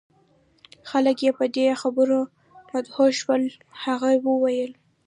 خلک یې په دې خبرو مدهوش شول. هغوی وویل: